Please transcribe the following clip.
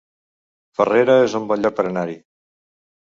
Farrera es un bon lloc per anar-hi